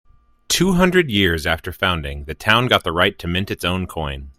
Two hundred years after founding, the town got the right to mint its own coin.